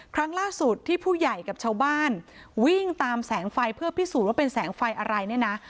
ครั้งล่าสุดที่ผู้ใหญ่กับชาวบ้านวิ่งตามแสงไฟเพื่อพิสูจน์ว่าเป็นแสงไฟอะไรเนี่ยนะ